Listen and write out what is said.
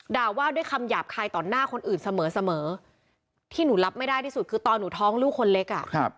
ด่าว่าด้วยคำหยาบคายต่อหน้าคนอื่นเสมอที่หนูรับไม่ได้ที่สุดคือตอนหนูท้องลูกคนเล็กอ่ะ